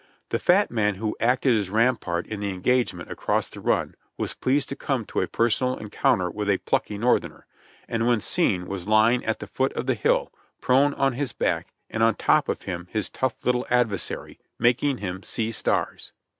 The fat man who acted as rampart in the engagement across the run was pleased to come to a per sonal encounter with a plucky Northerner, and when seen was lying at the foot of the hill, prone on his back and on top of him his tough little adversary, making him "see stars."